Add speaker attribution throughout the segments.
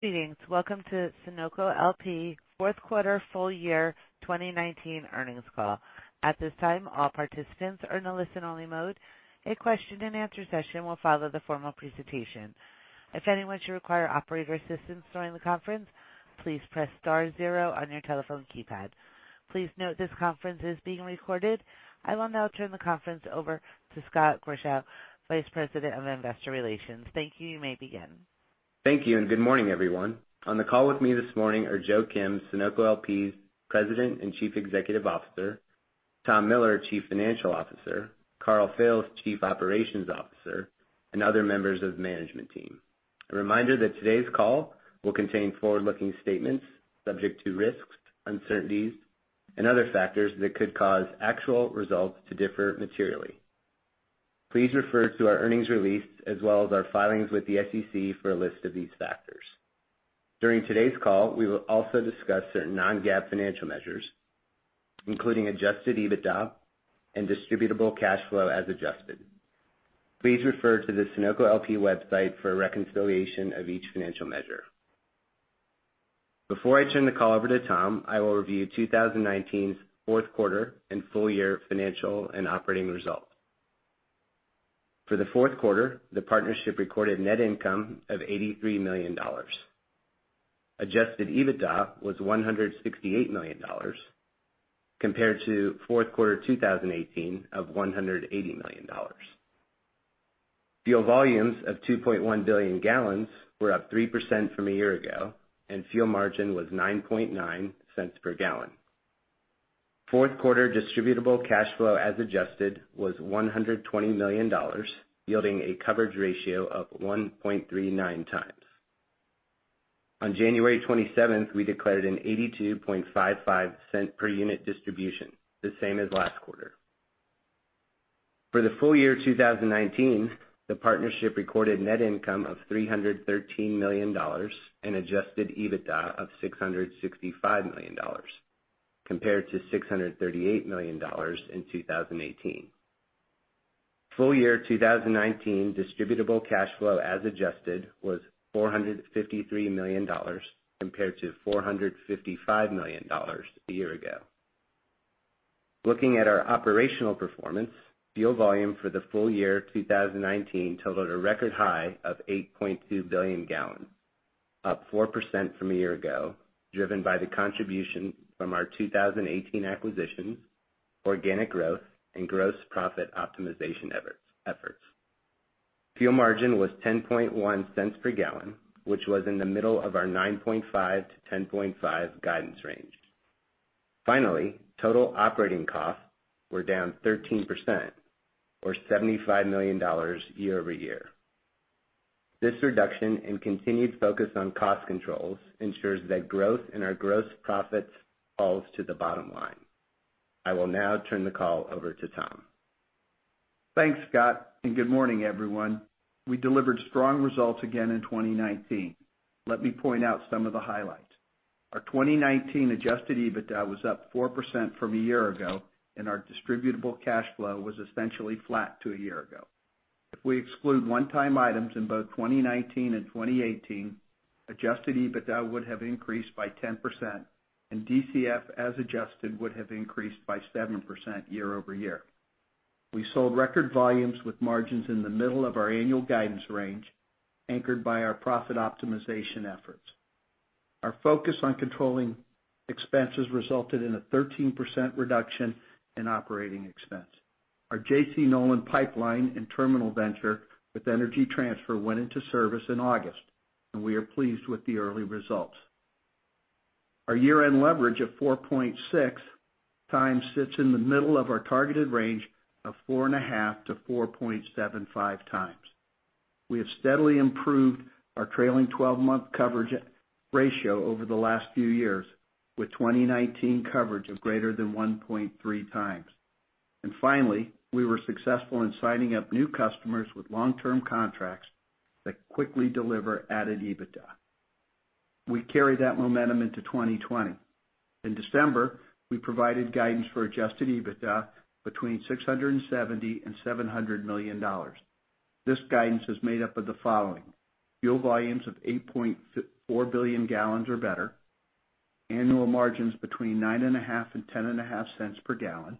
Speaker 1: Greetings. Welcome to Sunoco LP fourth quarter full year 2019 earnings call. At this time, all participants are in a listen-only mode. A question and answer session will follow the formal presentation. If anyone should require operator assistance during the conference, please press star zero on your telephone keypad. Please note this conference is being recorded. I will now turn the conference over to Scott Grischow, Vice President of Investor Relations. Thank you. You may begin.
Speaker 2: Thank you, good morning, everyone. On the call with me this morning are Joe Kim, Sunoco LP's President and Chief Executive Officer, Tom Miller, Chief Financial Officer, Karl Fails, Chief Operations Officer, and other members of the management team. A reminder that today's call will contain forward-looking statements subject to risks, uncertainties and other factors that could cause actual results to differ materially. Please refer to our earnings release as well as our filings with the SEC for a list of these factors. During today's call, we will also discuss certain non-GAAP financial measures, including adjusted EBITDA and Distributable Cash Flow as adjusted. Please refer to the Sunoco LP website for a reconciliation of each financial measure. Before I turn the call over to Tom, I will review 2019's fourth quarter and full-year financial and operating results. For the fourth quarter, the partnership recorded net income of $83 million. Adjusted EBITDA was $168 million compared to fourth quarter 2018 of $180 million. Fuel volumes of 2.1 billion gallons were up 3% from a year ago, and fuel margin was $0.099 per gallon. Fourth quarter Distributable Cash Flow, as adjusted, was $120 million, yielding a coverage ratio of 1.39x. On January 27th, we declared an $0.8255 per unit distribution, the same as last quarter. For the full year 2019, the partnership recorded net income of $313 million and adjusted EBITDA of $665 million, compared to $638 million in 2018. Full year 2019 Distributable Cash Flow, as adjusted, was $453 million compared to $455 million a year ago. Looking at our operational performance, fuel volume for the full year 2019 totaled a record high of 8.2 billion gallons, up 4% from a year ago, driven by the contribution from our 2018 acquisitions, organic growth, and gross profit optimization efforts. Fuel margin was $0.101 per gallon, which was in the middle of our $0.095-$0.105 guidance range. Finally, total operating costs were down 13% or $75 million year-over-year. This reduction and continued focus on cost controls ensures that growth in our gross profits falls to the bottom line. I will now turn the call over to Tom.
Speaker 3: Thanks, Scott, and good morning, everyone. We delivered strong results again in 2019. Let me point out some of the highlights. Our 2019 adjusted EBITDA was up 4% from a year ago, and our Distributable Cash Flow was essentially flat to a year ago. If we exclude one-time items in both 2019 and 2018, adjusted EBITDA would have increased by 10%, and DCF as adjusted would have increased by 7% year-over-year. We sold record volumes with margins in the middle of our annual guidance range, anchored by our profit optimization efforts. Our focus on controlling expenses resulted in a 13% reduction in operating expense. Our JC Nolan Pipeline and terminal venture with Energy Transfer went into service in August, and we are pleased with the early results. Our year-end leverage of 4.6x sits in the middle of our targeted range of 4.5x-4.75x. We have steadily improved our trailing 12-month coverage ratio over the last few years, with 2019 coverage of greater than 1.3x. Finally, we were successful in signing up new customers with long-term contracts that quickly deliver added EBITDA. We carry that momentum into 2020. In December, we provided guidance for adjusted EBITDA between $670 million and $700 million. This guidance is made up of the following: fuel volumes of 8.4 billion gallons or better, annual margins between $0.095 and $0.105 per gallon,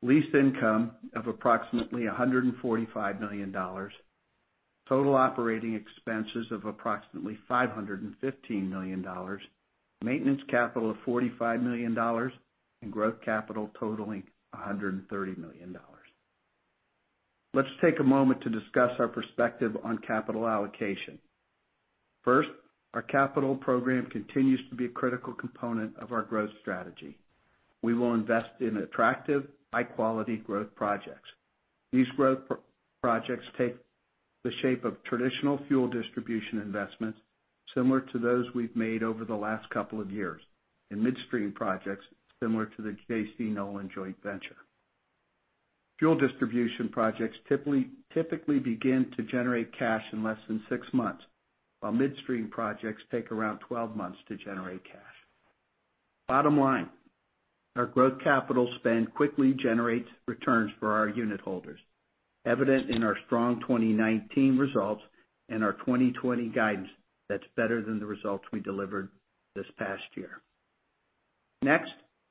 Speaker 3: lease income of approximately $145 million, total operating expenses of approximately $515 million, maintenance capital of $45 million, and growth capital totaling $130 million. Let's take a moment to discuss our perspective on capital allocation. First, our capital program continues to be a critical component of our growth strategy. We will invest in attractive, high-quality growth projects. These growth projects take the shape of traditional fuel distribution investments similar to those we've made over the last couple of years in midstream projects similar to the JC Nolan joint venture. Fuel distribution projects typically begin to generate cash in less than six months, while midstream projects take around 12 months to generate cash. Bottom line, our growth capital spend quickly generates returns for our unit holders, evident in our strong 2019 results and our 2020 guidance that's better than the results we delivered this past year.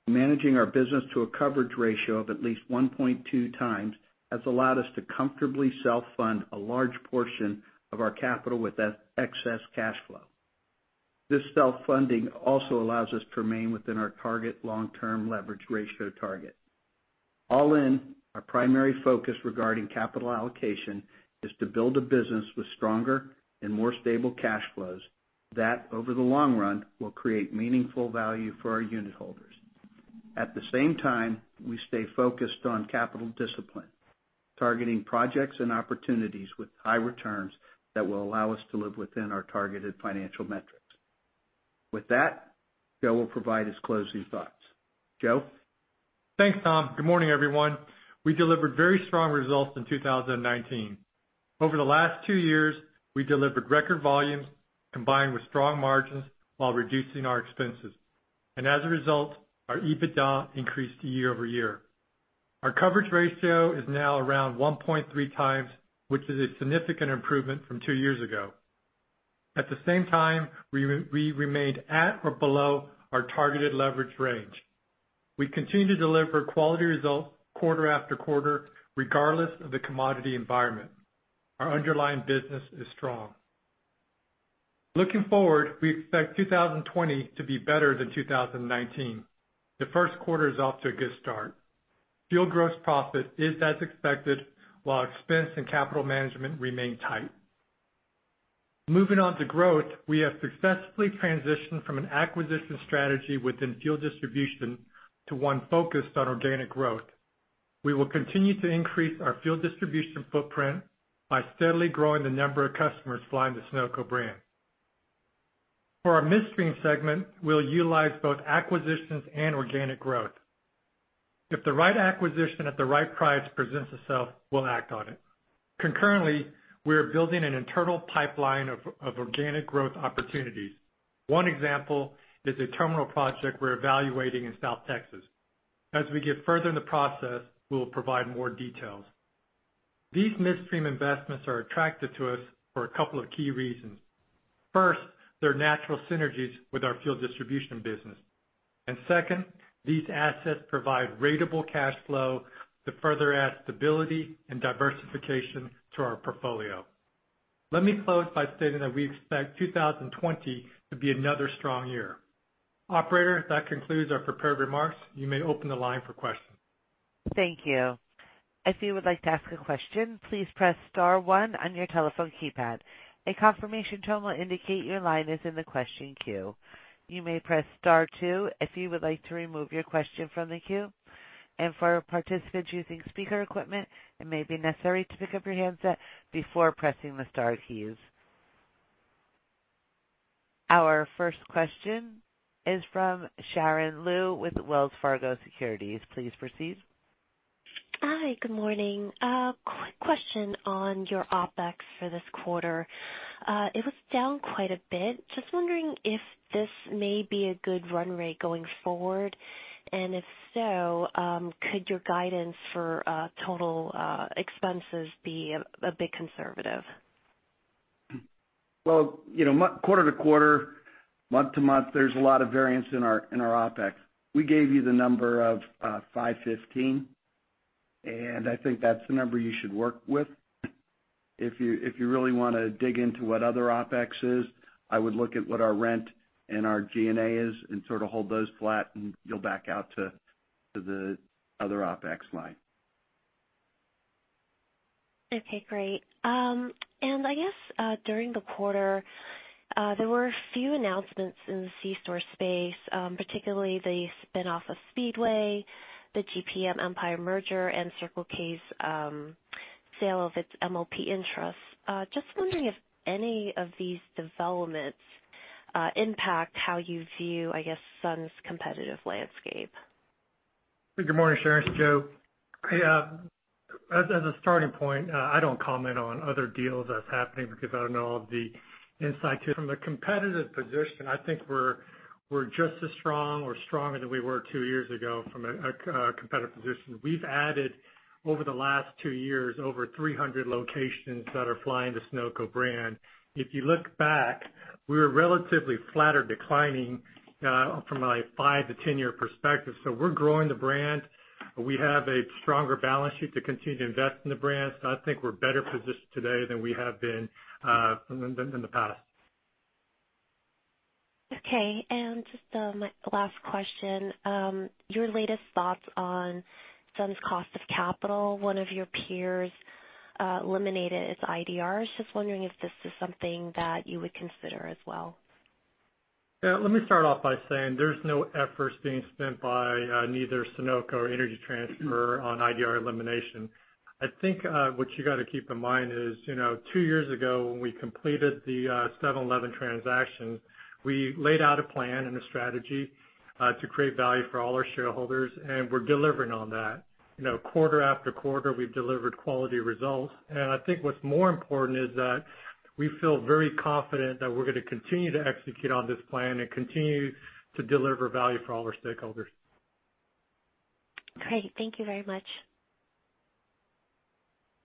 Speaker 3: Managing our business to a coverage ratio of at least 1.2x has allowed us to comfortably self-fund a large portion of our capital with excess cash flow. This self-funding also allows us to remain within our target long-term leverage ratio target. Our primary focus regarding capital allocation is to build a business with stronger and more stable cash flows that, over the long run, will create meaningful value for our unit holders. At the same time, we stay focused on capital discipline, targeting projects and opportunities with high returns that will allow us to live within our targeted financial metrics. With that, Joe will provide his closing thoughts. Joe?
Speaker 4: Thanks, Tom. Good morning, everyone. We delivered very strong results in 2019. Over the last two years, we delivered record volumes combined with strong margins while reducing our expenses. As a result, our EBITDA increased year-over-year. Our coverage ratio is now around 1.3x, which is a significant improvement from two years ago. At the same time, we remained at or below our targeted leverage range. We continue to deliver quality results quarter after quarter, regardless of the commodity environment. Our underlying business is strong. Looking forward, we expect 2020 to be better than 2019. The first quarter is off to a good start. Fuel gross profit is as expected, while expense and capital management remain tight. Moving on to growth, we have successfully transitioned from an acquisition strategy within fuel distribution to one focused on organic growth. We will continue to increase our fuel distribution footprint by steadily growing the number of customers flying the Sunoco brand. For our midstream segment, we'll utilize both acquisitions and organic growth. If the right acquisition at the right price presents itself, we'll act on it. Concurrently, we are building an internal pipeline of organic growth opportunities. One example is a terminal project we're evaluating in South Texas. As we get further in the process, we'll provide more details. These midstream investments are attractive to us for a couple of key reasons. First, they're natural synergies with our fuel distribution business. Second, these assets provide ratable cash flow to further add stability and diversification to our portfolio. Let me close by stating that we expect 2020 to be another strong year. Operator, that concludes our prepared remarks. You may open the line for questions.
Speaker 1: Thank you. If you would like to ask a question, please press star one on your telephone keypad. A confirmation tone will indicate your line is in the question queue. You may press star two if you would like to remove your question from the queue. For participants using speaker equipment, it may be necessary to pick up your handset before pressing the star keys. Our first question is from Sharon Lui with Wells Fargo Securities. Please proceed.
Speaker 5: Hi, good morning. A quick question on your OpEx for this quarter. It was down quite a bit. Just wondering if this may be a good run rate going forward. If so, could your guidance for total expenses be a bit conservative?
Speaker 3: Well, quarter-to-quarter, month-to-month, there's a lot of variance in our OpEx. We gave you the number of 515, and I think that's the number you should work with. If you really want to dig into what other OpEx is, I would look at what our rent and our G&A is and sort of hold those flat, and you'll back out to the other OpEx line.
Speaker 5: Okay, great. I guess, during the quarter, there were a few announcements in the C-store space, particularly the spin-off of Speedway, the GPM Empire merger, and Circle K's sale of its MLP interests. Just wondering if any of these developments impact how you view, I guess, Sun's competitive landscape.
Speaker 4: Good morning, Sharon. It's Joe. As a starting point, I don't comment on other deals that's happening because I don't know all of the insight. From a competitive position, I think we're just as strong or stronger than we were two years ago from a competitive position. We've added, over the last two years, over 300 locations that are flying the Sunoco brand. If you look back, we were relatively flat or declining from a 5 to 10-year perspective. We're growing the brand. We have a stronger balance sheet to continue to invest in the brand. I think we're better positioned today than we have been in the past.
Speaker 5: Okay, just the last question. Your latest thoughts on Sun's cost of capital. One of your peers eliminated its IDRs. Just wondering if this is something that you would consider as well.
Speaker 4: Yeah, let me start off by saying there's no efforts being spent by neither Sunoco or Energy Transfer on IDR elimination. I think what you got to keep in mind is two years ago, when we completed the 7-Eleven transaction, we laid out a plan and a strategy to create value for all our shareholders, and we're delivering on that. Quarter after quarter, we've delivered quality results. I think what's more important is that we feel very confident that we're going to continue to execute on this plan and continue to deliver value for all our stakeholders.
Speaker 5: Great. Thank you very much.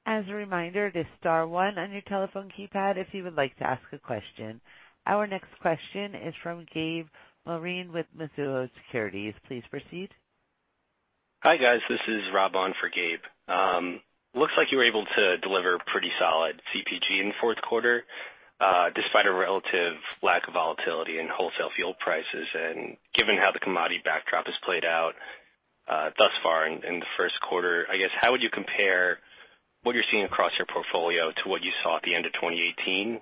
Speaker 1: As a reminder, it is star one on your telephone keypad if you would like to ask a question. Our next question is from Gabe Moreen with Mizuho Securities. Please proceed.
Speaker 6: Hi, guys. This is Rob on for Gabe. Looks like you were able to deliver pretty solid CPG in the fourth quarter, despite a relative lack of volatility in wholesale fuel prices. Given how the commodity backdrop has played out thus far in the first quarter, I guess, how would you compare what you're seeing across your portfolio to what you saw at the end of 2018,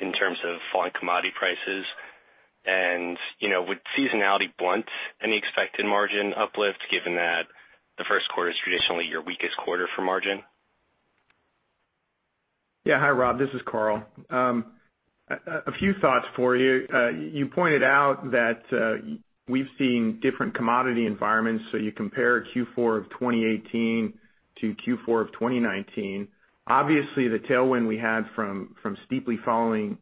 Speaker 6: in terms of falling commodity prices? Would seasonality blunt any expected margin uplift, given that the first quarter is traditionally your weakest quarter for margin?
Speaker 7: Yeah. Hi, Rob. This is Karl. A few thoughts for you. You pointed out that we've seen different commodity environments; you compare Q4 of 2018 to Q4 of 2019. Obviously, the tailwind we had from steeply falling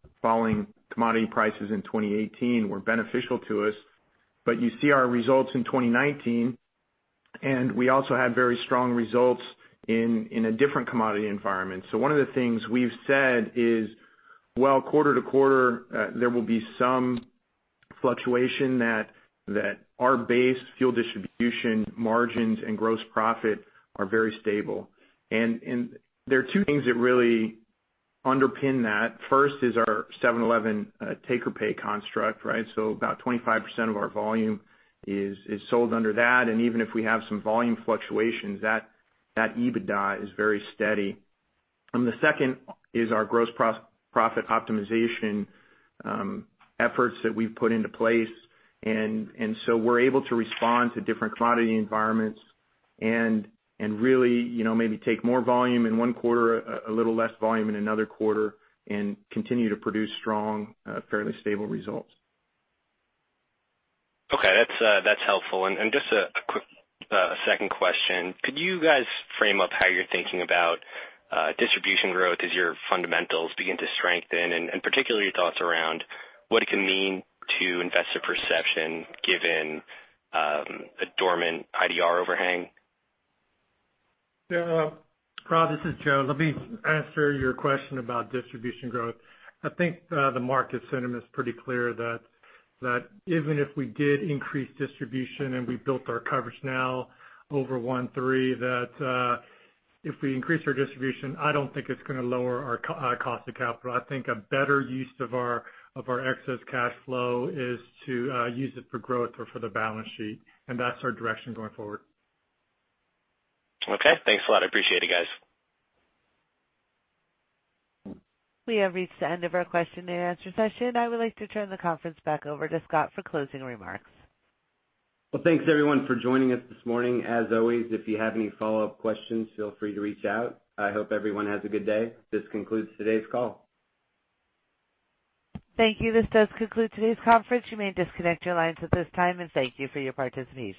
Speaker 7: commodity prices in 2018 were beneficial to us. You see our results in 2019; we also had very strong results in a different commodity environment. One of the things we've said is, while quarter-to-quarter, there will be some fluctuation, that our base fuel distribution margins and gross profit are very stable. There are two things that really underpin that. First is our 7-Eleven take-or-pay construct, right? About 25% of our volume is sold under that. Even if we have some volume fluctuation, that EBITDA is very steady. The second is our gross profit optimization efforts that we've put into place. We're able to respond to different commodity environments and really maybe take more volume in one quarter, a little less volume in another quarter, and continue to produce strong, fairly stable results.
Speaker 6: Okay. That's helpful. Just a quick second question. Could you guys frame up how you're thinking about distribution growth as your fundamentals begin to strengthen, and particularly your thoughts around what it can mean to investor perception given a dormant IDR overhang?
Speaker 4: Yeah. Rob, this is Joe. Let me answer your question about distribution growth. I think the market sentiment is pretty clear that even if we did increase distribution and we built our coverage now over 1.3, that if we increase our distribution, I don't think it's going to lower our cost of capital. I think a better use of our excess cash flow is to use it for growth or for the balance sheet. That's our direction going forward.
Speaker 6: Okay. Thanks a lot. I appreciate it, guys.
Speaker 1: We have reached the end of our question-and-answer session. I would like to turn the conference back over to Scott for closing remarks.
Speaker 2: Thanks, everyone, for joining us this morning. As always, if you have any follow-up questions, feel free to reach out. I hope everyone has a good day. This concludes today's call.
Speaker 1: Thank you. This does conclude today's conference. You may disconnect your lines at this time. Thank you for your participation.